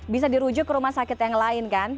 bisa dirujuk ke rumah sakit yang lain kan